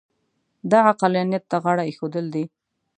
دا عقلانیت ته غاړه اېښودل دي.